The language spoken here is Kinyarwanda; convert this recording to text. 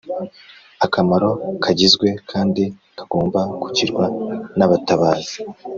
- akamaro kagizwe kandi kagomba kugirwa n'abatabazi